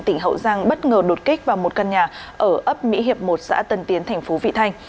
tỉnh hậu giang bất ngờ đột kích vào một căn nhà ở ấp mỹ hiệp một xã tân tiến thành phố vị thanh